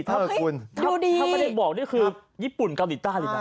ถ้าเนกบอกนี่คือญี่ปุ่นเกาหลีต้าเลยค่ะ